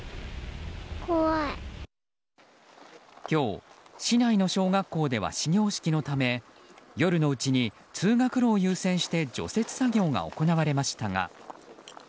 今日、市内の小学校では始業式のため夜のうちに通学路を優先して除雪作業が行われましたが。